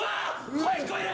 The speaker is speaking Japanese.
声聞こえる！